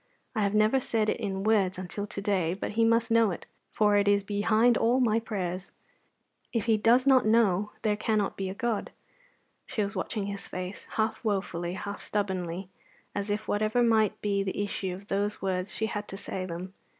I have never said it in words until to day, but He must know it, for it is behind all my prayers. If He does not know, there cannot be a God." She was watching his face, half wofully, half stubbornly, as if, whatever might be the issue of those words, she had to say them.